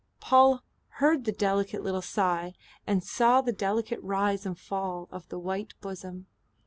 Paul heard the delicate little sigh and saw the delicate rise and fall of the white bosom.